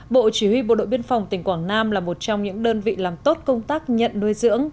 bộ chỉ huy bộ đội biên phòng tỉnh quảng nam là một trong những đơn vị làm tốt công tác nhận nuôi dưỡng